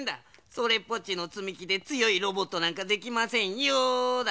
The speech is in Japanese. それっぽっちのつみきでつよいロボットなんかできませんよだ。